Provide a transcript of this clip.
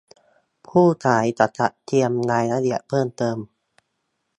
ผู้ขายจะจัดเตรียมรายละเอียดเพิ่มเติม